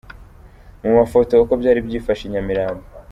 Mu mafoto, uko byari byifashe i Nyamirambo.